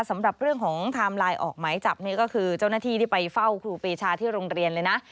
สำหรับเรื่องของไทม์ไลน์ออกหมายจับนี่ก็คือเจ้าหน้าที่ที่ไปเฝ้าครูปีชาที่โรงเรียนเลยนะ